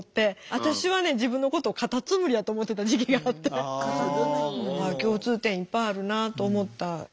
私はね自分のことをカタツムリやと思ってた時期があって共通点いっぱいあるなと思ったんですけど。